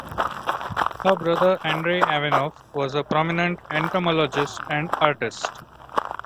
Her brother Andrey Avinoff was a prominent entomologist and artist.